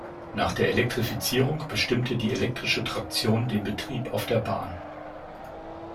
Nach der Elektrifizierung bestimmte die elektrische Traktion den Betrieb auf der Bahn.